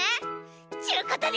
ちゅうことで。